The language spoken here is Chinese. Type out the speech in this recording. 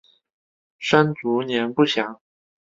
生卒年不详。